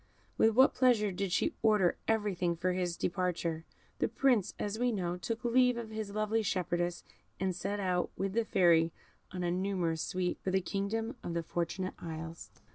With what pleasure did she order everything for his departure. The Prince, as we know, took leave of his lovely shepherdess, and set out, with the Fairy and a numerous suite, for the kingdom of the Fortunate Isles.